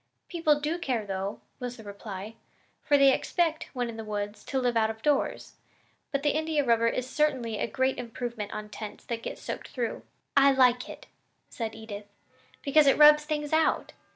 "People do care, though," was the reply, "for they expect, when in the woods, to live out of doors; but the India rubber is certainly a great improvement on tents that get soaked through." "I like it," said Edith, "because it rubs things out.